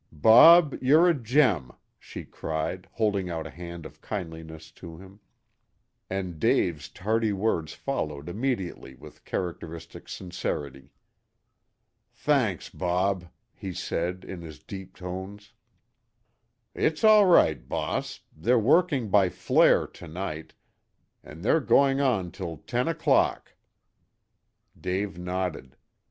"Bob, you're a gem!" she cried, holding out a hand of kindliness to him. And Dave's tardy words followed immediately with characteristic sincerity. "Thanks, Bob," he said, in his deep tones. "It's all right, boss, they're working by flare to night, an' they're going on till ten o'clock." Dave nodded.